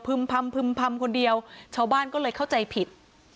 พำพึ่มพำคนเดียวชาวบ้านก็เลยเข้าใจผิด